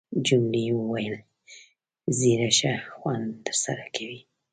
جميلې وويل:، ږیره ښه خوند در سره کوي.